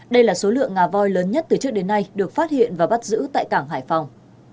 đây là số lượng ngà voi lớn nhất từ trước đến nay được phát hiện và bắt giữ tại cảng hải phòng